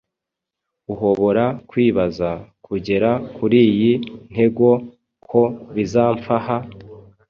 uhobora kwibaza, kugera kuriyi ntego ko bizamfaha